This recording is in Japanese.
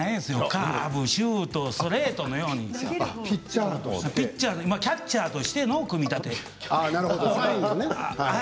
カーブ、シュート、ストレートのようにキャッチャーとしての組み立て。